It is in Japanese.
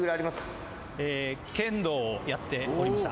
剣道をやっておりました。